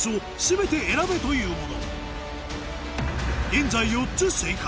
現在４つ正解